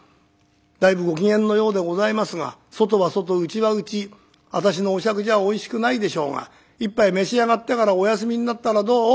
だいぶご機嫌のようでございますが外は外内は内私のお酌じゃおいしくないでしょうが一杯召し上がってからお休みになったらどう？」。